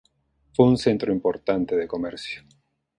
Fue un centro importante de comercio.